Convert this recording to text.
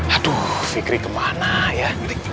aduh fikri kemana ya